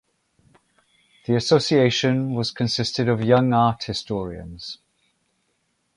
The association was consisted of young art historians.